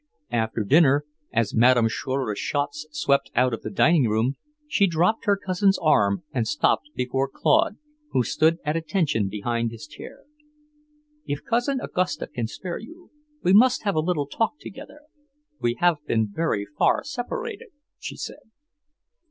After dinner, as Madame Schroeder Schatz swept out of the dining room, she dropped her cousin's arm and stopped before Claude, who stood at attention behind his chair. "If Cousin Augusta can spare you, we must have a little talk together. We have been very far separated," she said.